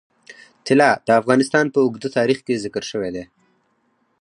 طلا د افغانستان په اوږده تاریخ کې ذکر شوی دی.